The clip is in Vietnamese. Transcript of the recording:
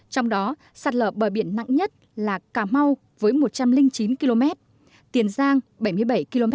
trong đó sạt lở bờ biển nặng nhất là cà mau với một trăm linh chín km tiền giang bảy mươi bảy km trà vinh bảy mươi bốn km an giang sáu mươi chín km với năm mươi một điểm bị sạt lở